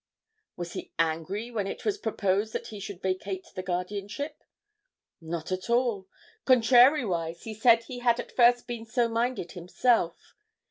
'Was he angry when it was proposed that he should vacate the guardianship?' 'Not at all. Contrariwise, he said he had at first been so minded himself.